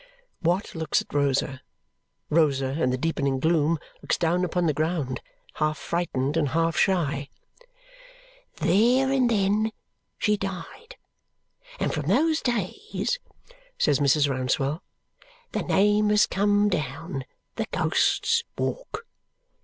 '" Watt looks at Rosa. Rosa in the deepening gloom looks down upon the ground, half frightened and half shy. "There and then she died. And from those days," says Mrs. Rouncewell, "the name has come down the Ghost's Walk.